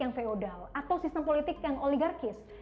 atau sistem politik yang oligarkis